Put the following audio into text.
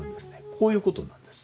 こういうことなんです。